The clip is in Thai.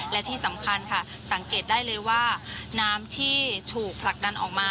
และที่สำคัญค่ะสังเกตได้เลยว่าน้ำที่ถูกผลักดันออกมา